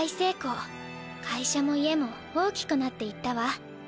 会社も家も大きくなっていったわ。